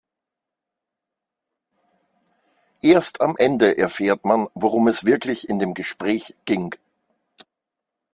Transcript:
Erst am Ende erfährt man, worum es wirklich in dem Gespräch ging.